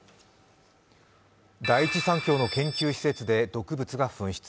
第一三共の研究施設で毒物が紛失。